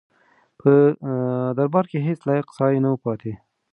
په دربار کې هیڅ لایق سړی نه و پاتې.